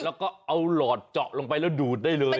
แล้วก็เอาหลอดเจาะลงไปแล้วดูดได้เลย